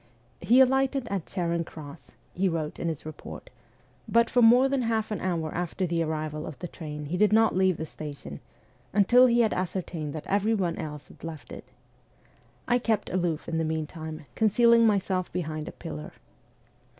' He alighted at Charing Cross ' he wrote in his report ' but for more than half an hour after the arrival of the train he did not leave the station, until he had ascer tained that everyone else had left it. I kept aloof in the meantime, concealing myself behind a pillar.